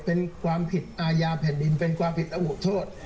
เป็นความผิดอาญาแผ่นดินเป็นความผิดระบุโทษ